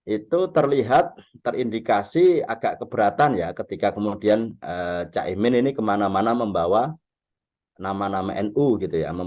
itu terlihat terindikasi agak keberatan ya ketika kemudian caimin ini kemana mana membawa nama nama nu gitu ya